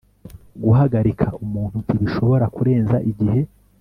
guhagarika umuntu ntibishobora kurenza igihe